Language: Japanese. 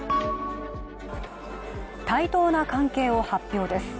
対等な関係を発表です。